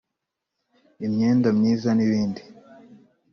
imyenda myiza n’ibindi